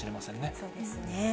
そうですね。